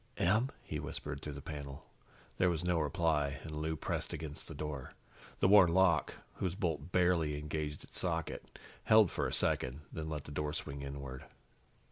"Em?" he whispered through the panel. There was no reply, and Lou pressed against the door. The worn lock, whose bolt barely engaged its socket, held for a second, then let the door swing inward.